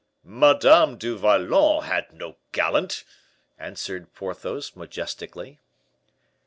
"Madame du Vallon had no gallant!" answered Porthos, majestically.